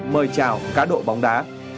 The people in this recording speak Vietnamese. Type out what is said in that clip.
mời trào cá độ bóng đá